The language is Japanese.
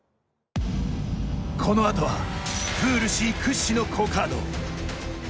このあとはプールＣ屈指の好カード。